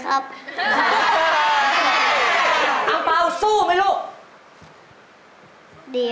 อังเปล่าสู้ไหมรู